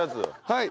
はい。